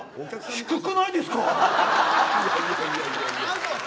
低くないですか。